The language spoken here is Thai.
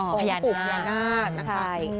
องค์ปู่พญานาค